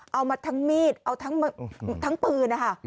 เอามาทั้งมีดเอาทั้งปืนนะคะ